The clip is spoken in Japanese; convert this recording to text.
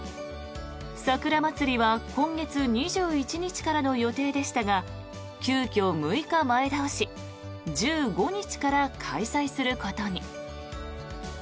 さくらまつりは今月２１日からの予定でしたが急きょ、６日前倒し１５日から開催することに。